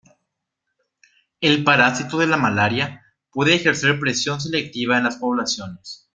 El parásito de la malaria puede ejercer presión selectiva en las poblaciones.